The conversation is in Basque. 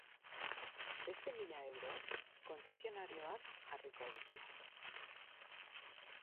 Beste mila euro kontzesionarioak jarriko ditu.